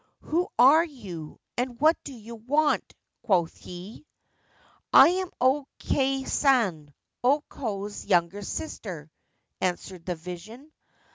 ' Who are you, and what do you want ?' quoth he. 1 1 am O Kei San, O Ko's younger sister/ answered the vision.